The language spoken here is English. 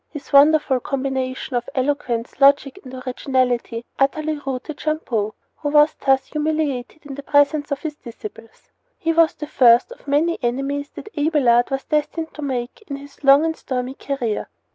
His wonderful combination of eloquence, logic, and originality utterly routed Champeaux, who was thus humiliated in the presence of his disciples. He was the first of many enemies that Abelard was destined to make in his long and stormy career.